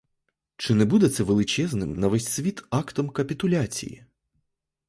Чи не буде це величезним, на весь світ, актом капітуляції?